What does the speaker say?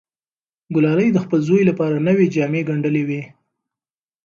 ګلالۍ د خپل زوی لپاره نوې جامې ګنډلې وې.